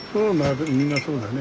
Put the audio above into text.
みんなそうだね。